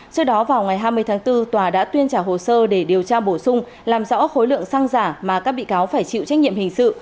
trước đó vào ngày hai mươi tháng bốn tòa đã tuyên trả hồ sơ để điều tra bổ sung làm rõ khối lượng xăng giả mà các bị cáo phải chịu trách nhiệm hình sự